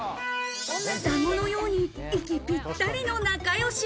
双子のように息ぴったりの仲よし。